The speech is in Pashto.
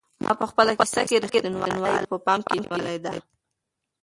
ما په خپله کيسه کې رښتینولي په پام کې نیولې ده.